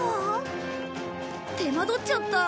手間取っちゃった。